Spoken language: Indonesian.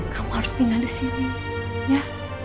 kamu harus tinggal disini ya